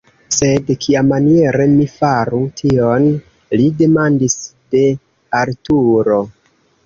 "Sed kiamaniere mi faru tion?!" Li demandis de Arturo!